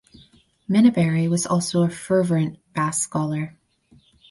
Minaberri was also an fervent Basque scholar.